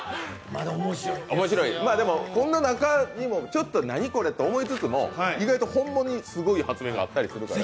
でもこんな中にも、ちょっと何これと思いつつも意外とすごい発明があったりするから。